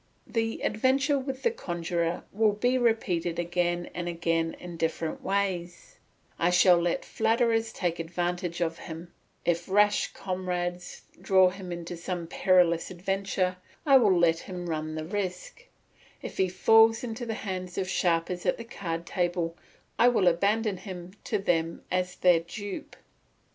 The adventure with the conjurer will be repeated again and again in different ways; I shall let flatterers take advantage of him; if rash comrades draw him into some perilous adventure, I will let him run the risk; if he falls into the hands of sharpers at the card table, I will abandon him to them as their dupe.